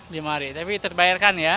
lima hari tapi terbayarkan ya